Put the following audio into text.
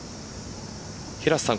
平瀬さん